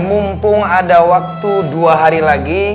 mumpung ada waktu dua hari lagi